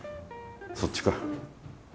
そっちか。